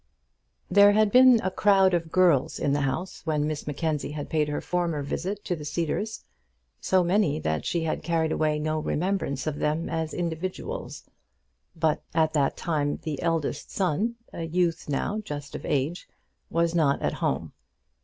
There had been a crowd of girls in the house when Miss Mackenzie had paid her former visit to the Cedars, so many that she had carried away no remembrance of them as individuals. But at that time the eldest son, a youth now just of age, was not at home.